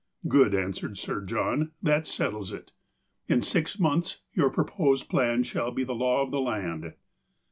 ''Good," answered Sir John, " that settles it. In six THE LAST BLOW 281 months your proposed plan shall be the law of the land."